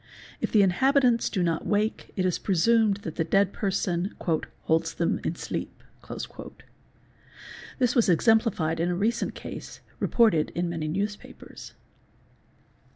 If the inhabitants do not wake it is presumed that the dead person "holds them in sleep". This was exemplified in a recent case, reported in many newspapers.